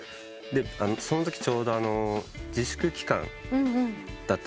そのときちょうど自粛期間だったんです。